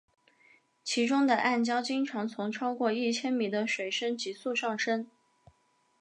其中的暗礁经常从超过一千米的水深急速上升。